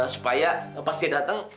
supaya pas dia datang